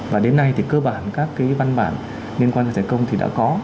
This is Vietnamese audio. và đến nay thì cơ bản các cái văn bản liên quan đến tài sản công thì đã có